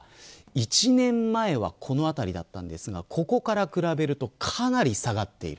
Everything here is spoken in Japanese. １年前はこの辺りだったんですがここから比べるとかなり下がっている。